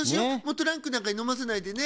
トランクなんかにのませないでね。